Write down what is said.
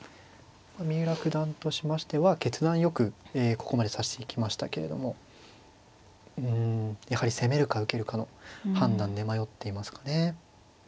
三浦九段としましては決断よくここまで指してきましたけれどもうんやはり攻めるか受けるかの判断で迷っていますかね。